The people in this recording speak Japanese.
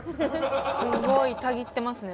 すごいたぎってますね。